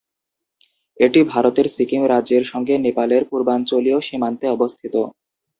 এটি ভারতের সিকিম রাজ্যের সঙ্গে নেপালের পূর্বাঞ্চলীয় সীমান্তে অবস্থিত।